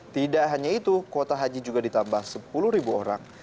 tidak hanya itu kuota haji juga ditambah sepuluh orang